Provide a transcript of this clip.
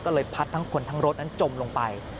ก็เลยพัดทั้งคนทั้งรถนั้นจมลงไป